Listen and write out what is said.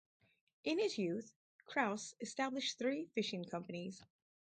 In his youth, Crouse established three fishing companies.